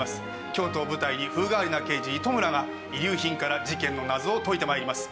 京都を舞台に風変わりな刑事糸村が遺留品から事件の謎を解いて参ります。